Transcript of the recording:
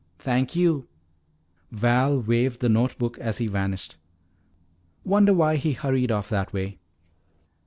"Thank you!" Val waved the note book as he vanished. "Wonder why he hurried off that way?"